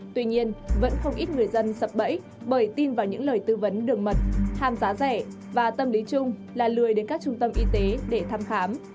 tuy nhiên vẫn không ít người dân sập bẫy bởi tin vào những lời tư vấn đường mật hàm giá rẻ và tâm lý chung là lười đến các trung tâm y tế để thăm khám